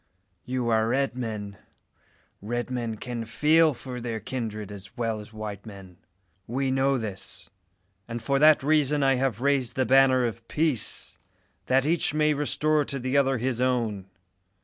You are red men. Red men can feel for their kindred as well as white men. We know this; and for that reason have I raised the banner of peace, that each may restore to the other his own.